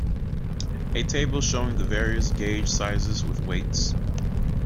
A table showing the various gauge sizes with weights.